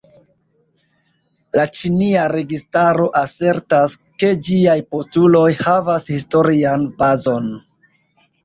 La ĉinia registaro asertas, ke ĝiaj postuloj havas historian bazon.